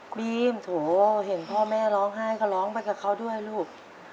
บีมโถเห็นพ่อแม่ร้องไห้ก็ร้องไปกับเขาด้วยลูก